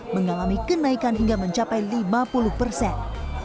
mengalami kenaikan hingga mencapai lima puluh persen